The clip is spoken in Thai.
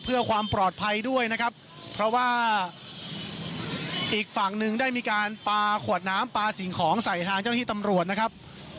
เพื่อความปลอดภัยด้วยนะครับเพราะว่าอีกฝั่งหนึ่งได้มีการปลาขวดน้ำปลาสิ่งของใส่ทางเจ้าหน้าที่ตำรวจนะครับ